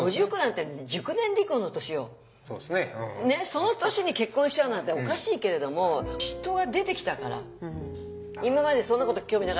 その年に結婚しちゃうなんておかしいけれども今までそんなこと興味なかった。